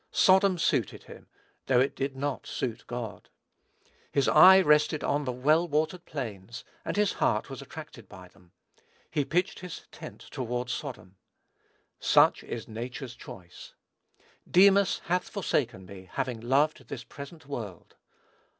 Sodom suited him, though it did not suit God. His eye rested on the "well watered plains," and his heart was attracted by them. "He pitched his tent toward Sodom." Such is nature's choice! "Demas hath forsaken me, having loved this present world."